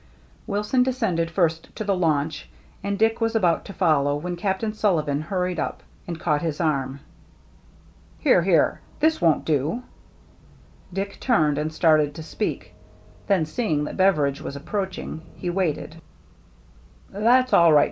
Wilson descended first to the launch, and Dick was about to follow when Captain Sulli van hurried up and caught his arm. " Here, here! This won't do!" Dick turned, and started to speak; then, seeing that Beveridge was approaching, he waited. " That's all right.